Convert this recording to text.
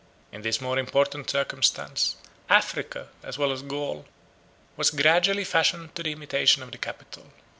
In this more important circumstance, Africa, as well as Gaul was gradually fashioned to the imitation of the capital.